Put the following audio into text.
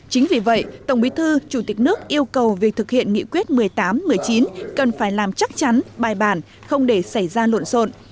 chính vì vậy tổng bí thư chủ tịch nước yêu cầu việc thực hiện nghị quyết một mươi tám một mươi chín cần phải làm chắc chắn bài bản không để xảy ra lộn xộn